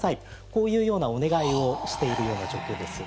こういうようなお願いをしているような状況です。